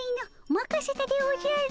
まかせたでおじゃる。